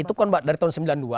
itu dari tahun sembilan puluh dua